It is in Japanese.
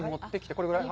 これぐらい？